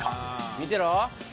見てろ。